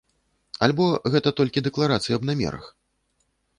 Альбо гэта толькі дэкларацыі аб намерах?